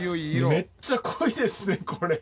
めっちゃ濃いですねこれ。